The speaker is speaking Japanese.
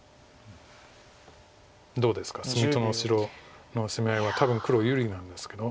どうですか隅の白の攻め合いは多分黒有利なんですけど。